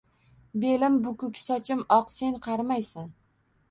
Belim bukik sochim oq sen qarimaysan